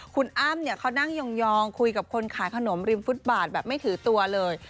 คุณอ้ำเขานั่งยองคุยกับคนขายขนมริมฟุตบาทแบบไม่ถือตัวเลย